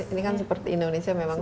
ini kan seperti indonesia memang